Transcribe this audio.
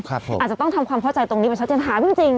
อาจจะต้องทำความเข้าใจตรงนี้ไปชัดเจนถามจริง